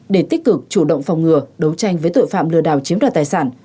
để tích cực chủ động phòng ngừa đấu tranh với tội phạm lừa đảo chiếm đoạt tài sản